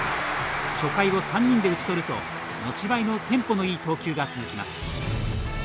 初回を３人で打ち取ると持ち前のテンポのいい投球が続きます。